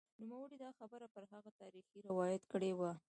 نوموړي دا خبره پر هغه تاریخي روایت کړې وه